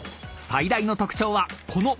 最大の特徴はこの］